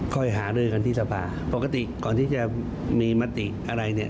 ค่อยหาเรื่องกันทฤษภาปกติก่อนที่จะมีมติอะไร